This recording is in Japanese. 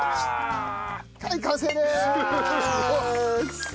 はい完成です！